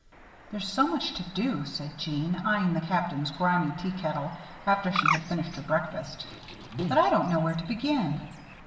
"There's so much to do," said Jeanne, eying the Captain's grimy teakettle, after she had finished her breakfast, "that I don't know where to begin.